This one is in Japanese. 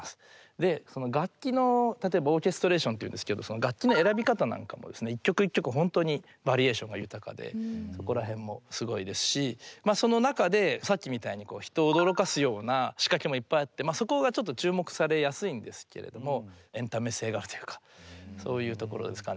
で楽器の例えばオーケストレーションっていうんですけど楽器の選び方なんかも一曲一曲本当にバリエーションが豊かでそこら辺もすごいですしまあその中でさっきみたいに人を驚かすようなしかけもいっぱいあってそこがちょっと注目されやすいんですけれどもエンタメ性があるというかそういうところですかね。